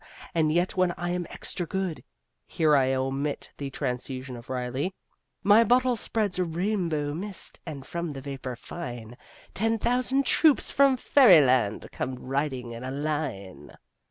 And yet when I am extra good ... [here I omit the transfusion of Riley] My bottle spreads a rainbow mist, and from the vapor fine Ten thousand troops from fairyland come riding in a line.